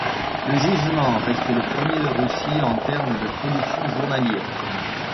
Le gisement reste le premier de Russie en termes de production journalière.